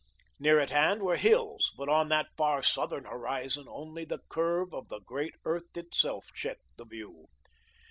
Near at hand were hills, but on that far southern horizon only the curve of the great earth itself checked the view.